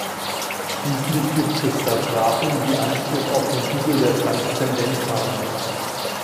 Schließlich gibt es „Satrapen“, die Anspruch auf den Titel der „Transzendenz“ haben.